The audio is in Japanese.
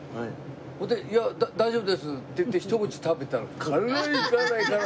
それで「いや大丈夫です」って言ってひと口食べたら辛い辛い辛い。